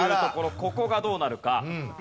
ここがどうなるか？